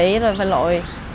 phải nghỉ rồi phải lội